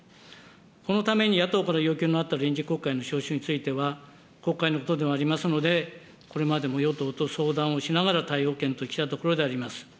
このために野党から要求のあった臨時国会の召集については、国会のことでありますので、これまでも与党と相談をしながら対応を検討してきたところであります。